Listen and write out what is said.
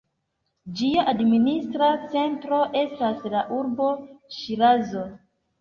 Ĝia administra centro estas la urbo Ŝirazo.